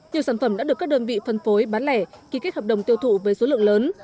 nhiều sản phẩm đã được các đơn vị phân phối bán lẻ ký kết hợp đồng tiêu thụ với số lượng lớn